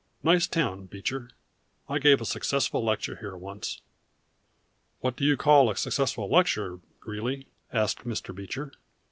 Nice town, Beecher. I gave a successful lecture here once.' "'What do you call a successful lecture, Greeley?' asked Mr. Beecher.